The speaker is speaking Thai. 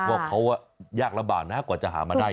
บอกว่าเขายากระบาดหรือคะกว่าจะหามาได้